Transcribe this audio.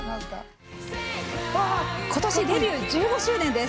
今年デビュー１５周年です。